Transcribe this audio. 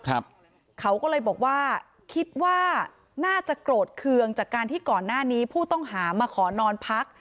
เขาก็เลยบอกว่าคิดว่าน่าจะโกรธเคืองจากการที่ก่อนหน้านี้ผู้ต้องหามาขอนอนพัก